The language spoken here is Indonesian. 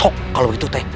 kalau itu teh